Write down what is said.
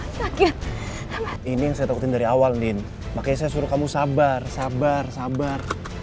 ini yang saya takutin dari awal din makanya saya suruh kamu sabar sabar sabar